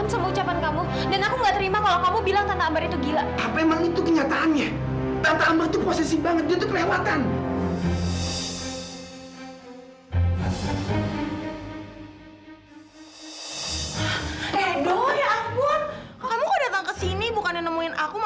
sampai jumpa di video selanjutnya